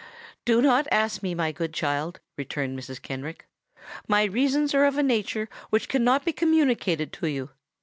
"Do not ask me, my good child," returned Mrs. Kenrick: "my reasons are of a nature which cannot be communicated to you.